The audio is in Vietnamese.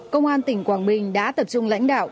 công an tỉnh quảng bình đã tập trung lãnh đạo